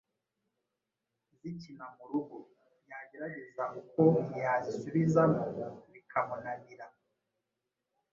zikina mu rugo; yagerageza uko yazisubizamo bikamunanira